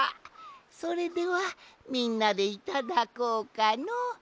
それではみんなでいただこうかのう。